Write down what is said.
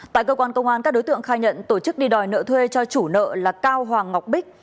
tại cơ quan công an các đối tượng khai nhận tổ chức đi đòi nợ thuê cho chủ nợ là cao hoàng ngọc bích